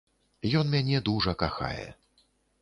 Ён мяне дужа кахае.